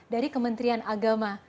dari kementerian agama